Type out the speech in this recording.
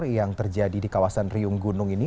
yang terjadi di kawasan riung gunung ini